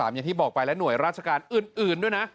อย่างที่บอกไปและหน่วยราชการอื่นด้วยนะ